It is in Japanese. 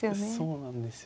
そうなんですよ。